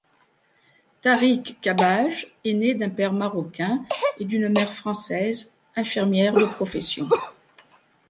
Tariq Kabbage est né d'un père marocain et d'une mère française, infirmière de profession.